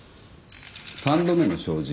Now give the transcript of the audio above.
三度目の正直。